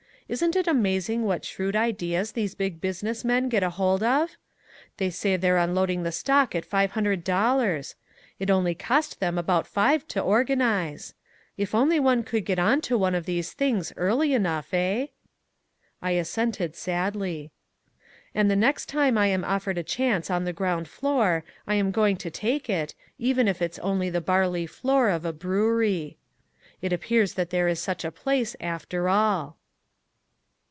Isn't it amazing what shrewd ideas these big business men get hold of? They say they're unloading the stock at five hundred dollars. It only cost them about five to organize. If only one could get on to one of these things early enough, eh?" I assented sadly. And the next time I am offered a chance on the ground floor I am going to take it, even if it's only the barley floor of a brewery. It appears that there is such a place after all.